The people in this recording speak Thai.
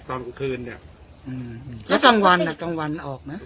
กลางคืนเนี่ยอืมแล้วกลางวันอ่ะกลางวันออกนะ